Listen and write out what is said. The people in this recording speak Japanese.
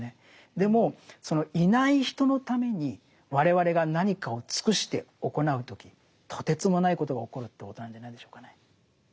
でもそのいない人のために我々が何かを尽くして行う時とてつもないことが起こるということなんじゃないでしょうかね。